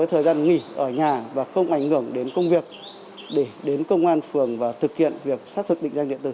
thời gian nghỉ ở nhà và không ảnh hưởng đến công việc để đến công an phường và thực hiện việc xác thực định danh điện tử